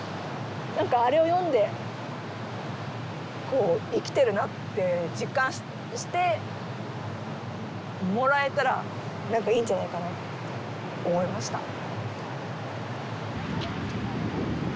何かあれを読んでこう生きてるなって実感してもらえたら何かいいんじゃないかなって思いました。